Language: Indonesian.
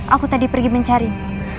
aku tadi pergi mencarimu